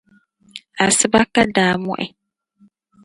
Asiba ka daa muɣira.